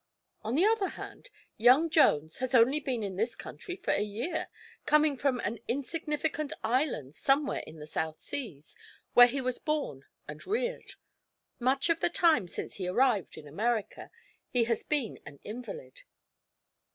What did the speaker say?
On the other hand, young Jones has only been in this country for a year, coming from an insignificant island somewhere in the South Seas, where he was born and reared. Much of the time since he arrived in America he has been an invalid.